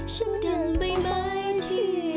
ฉันเดินใบไม้ที่